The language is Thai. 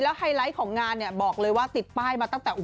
ไฮไลท์ของงานเนี่ยบอกเลยว่าติดป้ายมาตั้งแต่